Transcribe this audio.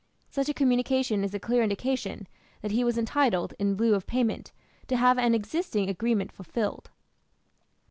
Such a communication is a clear indication that he was entitled, in lieu of payment, to have an existing agreement fulfilled.